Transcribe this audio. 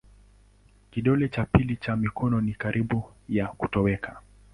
Kidole cha pili cha mikono ni karibu ya kutoweka.